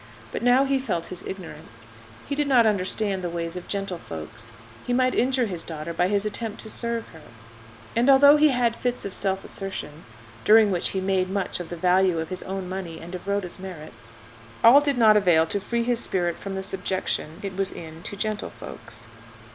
But now he felt his ignorance. He did not understand the ways of gentlefolks. He might injure his daughter by his attempt to serve her. And although he had fits of self assertion (during which he made much of the value of his own money and of Rhoda's merits), all did not avail to free his spirit from the subjection it was in to "gentlefolks."